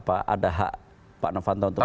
ada hak pak novanto untuk